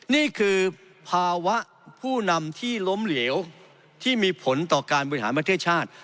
นี่คือภาวะผู้นำที่ล้มเหลวที่มีผลต่อการบริหารประเทศชาติ